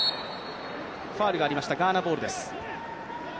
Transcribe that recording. ファウルがありましたガーナボールです。